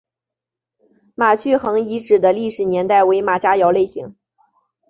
马聚垣遗址的历史年代为马家窑类型。